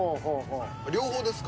両方ですか？